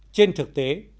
trên thực tế